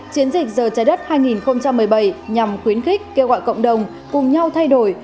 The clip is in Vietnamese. chiến dịch giờ trái đất hai nghìn một mươi bảy nhằm khuyến khích kêu gọi cộng đồng cùng nhau thay đổi